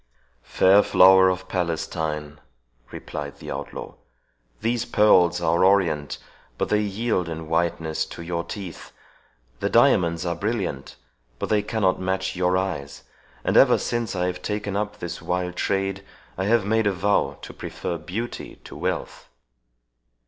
"Fair flower of Palestine," replied the outlaw, "these pearls are orient, but they yield in whiteness to your teeth; the diamonds are brilliant, but they cannot match your eyes; and ever since I have taken up this wild trade, I have made a vow to prefer beauty to wealth."